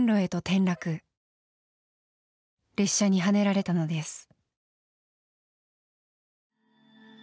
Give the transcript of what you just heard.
列車にはねられたのです。